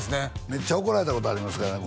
めっちゃ怒られたことありますからね